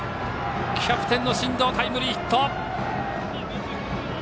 キャプテンの進藤タイムリーヒット。